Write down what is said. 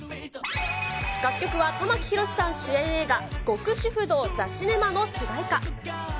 楽曲は玉木宏さん主演映画、極主夫道ザ・シネマの主題歌。